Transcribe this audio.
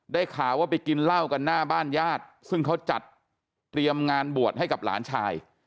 ข่าวว่าไปกินเหล้ากันหน้าบ้านญาติซึ่งเขาจัดเตรียมงานบวชให้กับหลานชาย